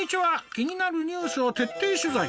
気になるニュースを徹底取材！